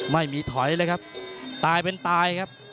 ไม่มีถอยเลยครับตายเป็นตายครับ